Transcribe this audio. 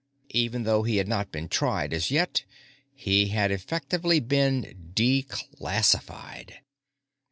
Even though he had not been tried as yet, he had effectively been Declassified.